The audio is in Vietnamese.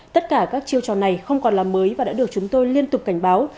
tất cả các chiêu trò này không còn là mới và đã được chúng tôi liên tục cảnh báo